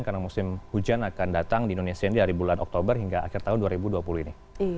karena musim hujan akan datang di indonesia ini dari bulan oktober hingga akhir tahun dua ribu dua puluh ini